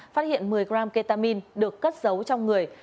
phát hiện một mươi g ketamin được cất giấu trong người